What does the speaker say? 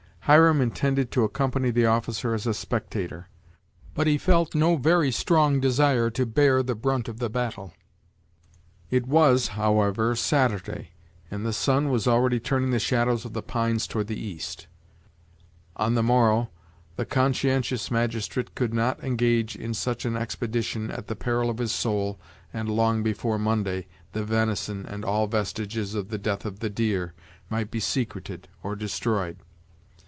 Hiram intended to accompany the officer as a spectator, but he felt no very strong desire to bear the brunt of the battle. It was, however, Saturday, and the sun was already turning the shadows of the pines toward the east; on the morrow the conscientious magistrate could not engage in such an expedition at the peril of his soul and long before Monday, the venison, and all vestiges of the death of the deer, might be secreted or destroyed.